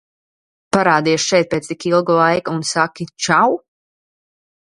"Parādies šeit pēc tik ilga laika, un saki "čau"?"